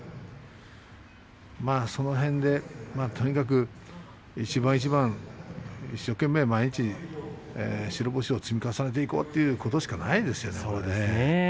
まあ、その辺でとにかく一番一番一生懸命毎日白星を積み重ねていこうということしかないですよね。